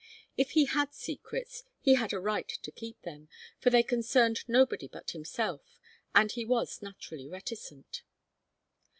If he had secrets, he had a right to keep them, for they concerned nobody but himself, and he was naturally reticent.